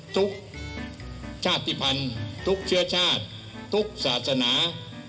ทุกชาติภัณฑ์ทุกเชื้อชาติทุกศาสนา